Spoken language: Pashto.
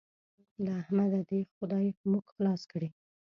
له احمده دې خدای موږ خلاص کړي.